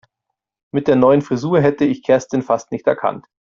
Mit der neuen Frisur hätte ich Kerstin fast nicht erkannt.